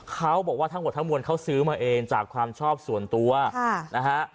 เขาบอกว่าทั้งหมดทั้งมวลเขาซื้อมาเองจากความชอบส่วนตัวนะฮะ